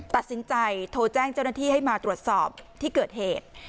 ตัดสินใจโทรแจ้งเจ้าหน้าที่ให้มาตรวจสอบที่เกิดเหตุ